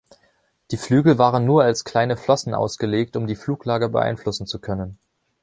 Die Flügel waren nur als kleine Flossen ausgelegt, um die Fluglage beeinflussen zu können.